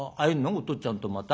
おとっつぁんとまた」。